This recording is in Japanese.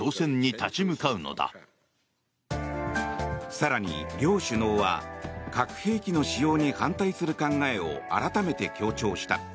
更に、両首脳は核兵器の使用に反対する考えを改めて強調した。